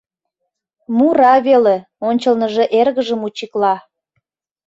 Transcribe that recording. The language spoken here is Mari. Мура веле, ончылныжо эргыжым учикла.